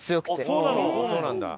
そうなんだ。